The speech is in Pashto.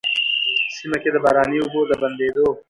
سيمه کي د باراني اوبو د بندېدو،